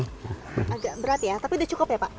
agak berat ya tapi sudah cukup ya pak